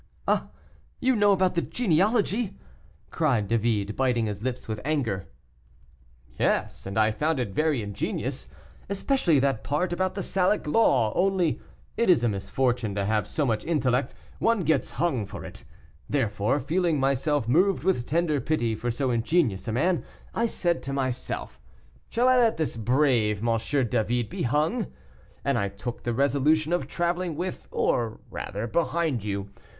"Ah! you know about the genealogy?" cried David, biting his lips with anger. "Yes, and I found it very ingenious, especially that part about the Salic law; only it is a misfortune to have so much intellect, one gets hung for it; therefore, feeling myself moved with tender pity for so ingenious a man, I said to myself, 'Shall I let this brave M. David be hung?' and I took the resolution of traveling with, or rather behind, you.